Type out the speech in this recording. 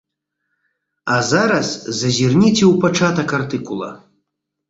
А зараз зазірніце ў пачатак артыкула.